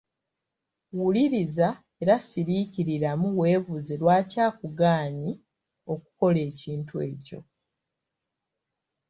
Wuliriza era siriikiriramu weebuuze lwaki akugaanyi okukola ekintu ekyo.